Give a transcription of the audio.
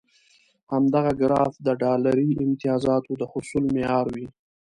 همدغه ګراف د ډالري امتیازاتو د حصول معیار وي.